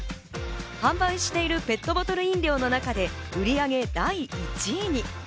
販売しているペットボトル飲料の中で売り上げ第１位に。